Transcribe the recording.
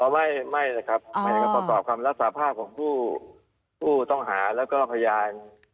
ไม่นะครับประกอบคำรับสาภาพของผู้ต้องหาแล้วก็พยาน